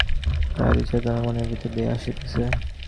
তাঁহারই চৈতন্য মনের ভিতর দিয়া আসিতেছে।